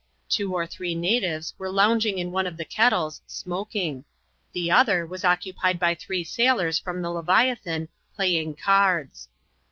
Two or three natives were lounging in one of the kettles, smoking ; the other was occupied by three sailors from the Leviathan, playing cards.